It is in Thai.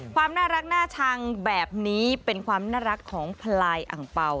ความน่ารักน่าชังแบบนี้เป็นความน่ารักของพลายอังเป่า